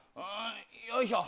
よいしょ。